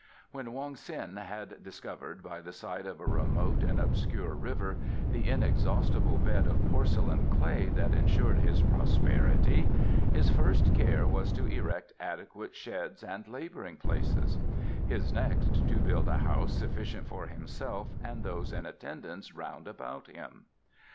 When Wong Ts'in had discovered, by the side of a remote and obscure river, the inexhaustible bed of porcelain clay that ensured his prosperity, his first care was to erect adequate sheds and labouring places; his next to build a house sufficient for himself and those in attendance round about him.